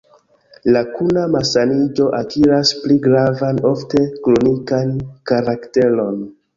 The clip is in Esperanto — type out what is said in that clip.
La kuna malsaniĝo akiras pli gravan, ofte kronikan karakteron.